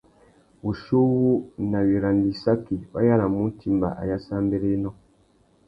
Wuchiuwú, nà wiranda-issaki, wa yānamú utimba ayássámbérénô.